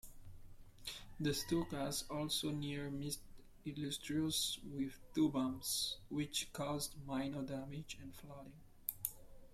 The Stukas also near-missed "Illustrious" with two bombs, which caused minor damage and flooding.